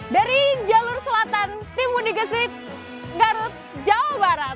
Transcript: dari jalur selatan tim mudik kesit garut jawa barat